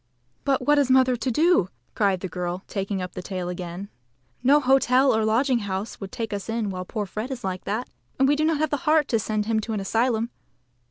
"But what is mother to do?" cried the girl, taking up the tale again. "No hotel or lodging house would take us in while poor Fred is like that. And we have not the heart to send him to an asylum.